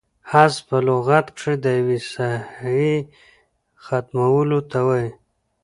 حذف په لغت کښي د یوې حصې ختمولو ته وايي.